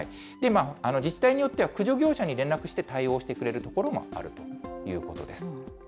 自治体によっては、駆除業者に連絡して対応してくれる所もあるということです。